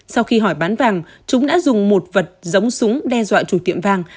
sau khi hỏi bán vàng chúng đã dùng một vật giống súng đe dọa chủ tiệm vàng